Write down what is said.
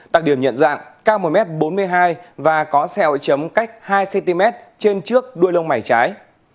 đặc điểm nhận dạng cao một m bốn mươi hai và có sẹo chấm cách hai cm trên trước đuôi lông mày trái